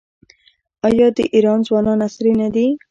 آیا د ایران ځوانان عصري نه دي؟